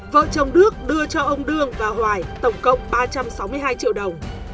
vợ chồng đức đưa cho ông đương và hoài tổng cộng ba trăm sáu mươi hai triệu đồng